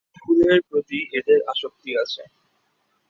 ফুলের প্রতি এদের আসক্তি আছে।